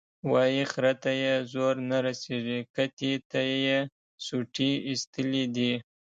وایي خره ته یې زور نه رسېږي، کتې ته یې سوټي ایستلي دي.